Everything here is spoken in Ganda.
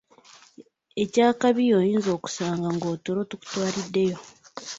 Eky’akabi oyinza n’okusanga ng’otulo tukutwaliddeyo.